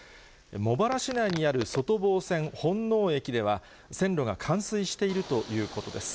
茂原市内にある外房線本納駅では、線路が冠水しているということです。